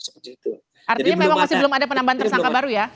artinya memang masih belum ada penambahan tersangka baru ya